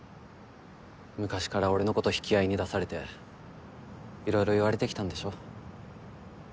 昔から俺のこと引き合いに出されて色々言われてきたんでしょ？